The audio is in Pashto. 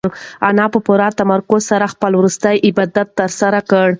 انا په پوره تمرکز سره خپل وروستی عبادت ترسره کړ.